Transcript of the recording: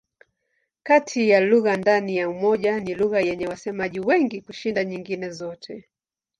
Kati ya lugha ndani ya Umoja ni lugha yenye wasemaji wengi kushinda nyingine zote.